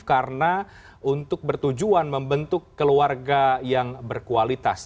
karena untuk bertujuan membentuk keluarga yang berkualitas